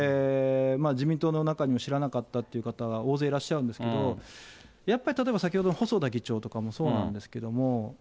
自民党の中にも知らなかったという方は大勢いらっしゃるんですけど、やっぱり例えば、先ほどの細田議長とかもそうなんですけども。